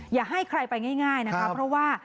อย่าให้ใครไปง่ายนะคะเพราะว่า